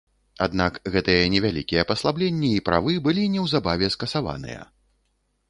Аднак, гэтыя невялікія паслабленні і правы былі неўзабаве скасаваныя.